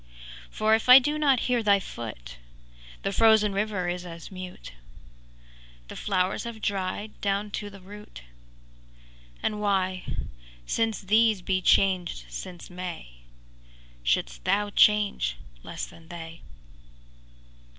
For if I do not hear thy foot, The frozen river is as mute, The flowers have dried down to the root: And why, since these be changed since May, Shouldst thou change less than they.